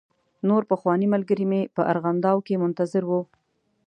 نور پخواني ملګري مې په ارغنداو کې منتظر و.